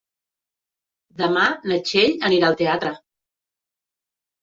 Demà na Txell anirà al teatre.